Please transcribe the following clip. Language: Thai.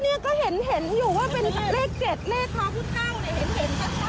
เราก็พิดยังไง